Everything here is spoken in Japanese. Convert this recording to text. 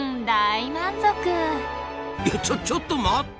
いやちょちょっと待った！